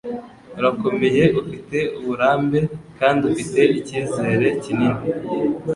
Urakomeye, ufite uburambe, kandi ufite icyizere kinini. ”